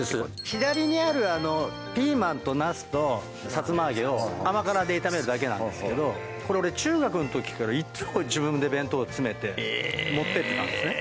左にあるあのピーマンとナスとさつま揚げを甘辛で炒めるだけなんですけどこれ俺中学の時からいつも自分で弁当詰めて持っていってたんですね。